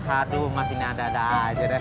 haduh mas ini ada ada aja deh